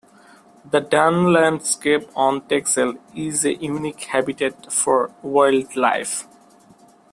The dune landscape on Texel is a unique habitat for wildlife.